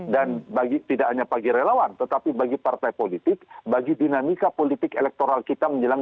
dan bagi tidak hanya bagi relawan tetapi bagi partai politik bagi dinamika politik elektoral kita menjelang dua ribu dua puluh empat